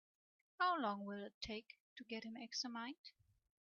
How long will it take to get him examined?